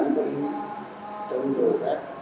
nó in đậm trong người bác